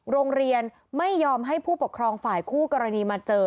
โรงเรียนไม่ยอมให้ผู้ปกครองฝ่ายคู่กรณีมาเจอ